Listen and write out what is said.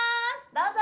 どうぞ！